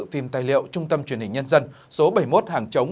phim tài liệu trung tâm truyền hình nhân dân số bảy mươi một hàng chống